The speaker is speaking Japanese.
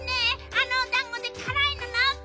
あのおだんごでからいのなおったの。